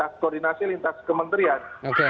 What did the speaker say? koordinasi lintas kementerian